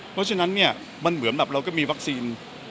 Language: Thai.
เพราะฉะนั้นเนี่ยมันเหมือนแบบเราก็มีวัคซีน